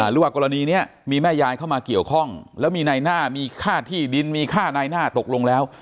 หรือว่ากรณีนี้มีแม่ยายเข้ามาเกี่ยวข้องแล้วมีนายหน้ามีค่าที่ดินมีค่าในหน้าตกลงแล้ว